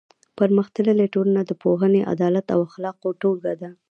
پرمختللې ټولنه د پوهې، عدالت او اخلاقو ټولګه ده.